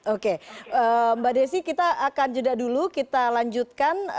oke mbak desi kita akan jeda dulu kita lanjutkan